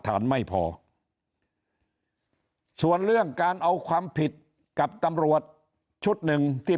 ฐานไม่พอส่วนเรื่องการเอาความผิดกับตำรวจชุดหนึ่งที่